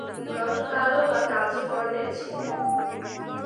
Not কালো বা কালচে বর্ণের ছিলেন।